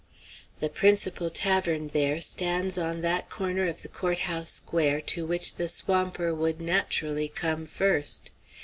The principal tavern there stands on that corner of the court house square to which the swamper would naturally come first.